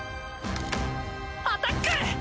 アタック！